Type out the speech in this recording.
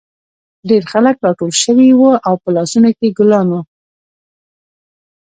ډېر خلک راټول شوي وو او په لاسونو کې یې ګلان وو